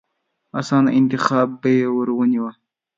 اسانه انتخاب به يې ورنيوه.